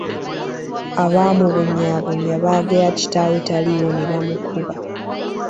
Abaamubonyaabonya baagera kitaawe taliiwo ne bamukuba.